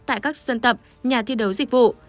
tại các dân tập nhà thi đấu dịch vụ